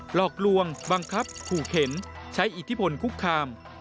หลอกลวงบังคับขู่เข็นใช้อิทธิพลคุกคาม